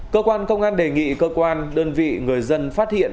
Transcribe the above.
cơ quan công an đề nghị cơ quan đơn vị người dân phát hiện